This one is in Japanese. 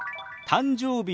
「誕生日」。